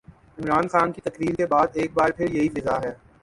عمران خان کی تقریر کے بعد ایک بار پھر یہی فضا ہے۔